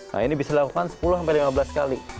nah ini bisa dilakukan sepuluh sampai lima belas kali